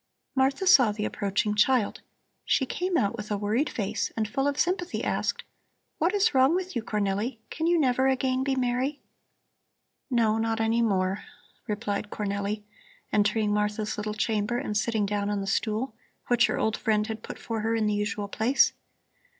Martha saw the approaching child. She came out with a worried face and full of sympathy asked: "What is wrong with you, Cornelli? Can you never again be merry?" "No, not any more," replied Cornelli, entering Martha's little chamber and sitting down on the stool which her old friend had put for her in the usual place.